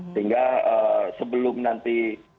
sehingga sebelum nanti